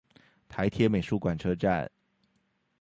台鐵美術館車站